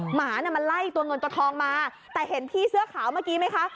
หมาน่ะมันไล่ตัวเงินตัวทองมาแต่เห็นพี่เสื้อขาวเมื่อกี้ไหมคะ